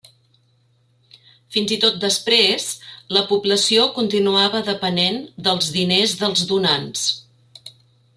Fins i tot després, la població continuava depenent dels diners dels donants.